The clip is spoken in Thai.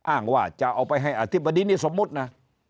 อ้างว่าจะเอาไปให้อธิบดีนี่สมมุตินะ